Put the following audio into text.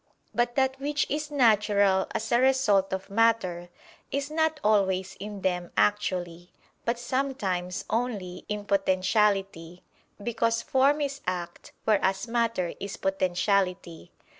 But that which is natural as a result of matter, is not always in them actually, but sometimes only in potentiality: because form is act, whereas matter is potentiality.